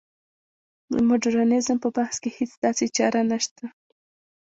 د مډرنیزم په بحث کې هېڅ داسې چاره نشته.